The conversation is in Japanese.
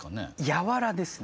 「柔」ですね。